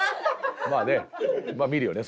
まあねまあ見るよね